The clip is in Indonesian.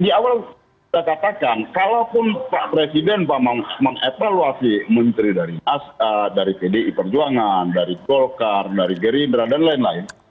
di awal saya katakan kalaupun pak presiden pak mau mengevaluasi menteri dari pdi perjuangan dari golkar dari gerindra dan lain lain